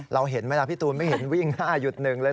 เราเห็นไหมล่ะพี่ตูนไม่เห็นวิ่ง๕หยุดหนึ่งเลย